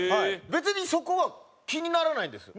別にそこは気にならないんですよ。